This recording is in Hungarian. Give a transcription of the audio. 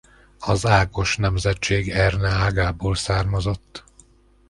Az Ákos nemzetség Erne ágából származott.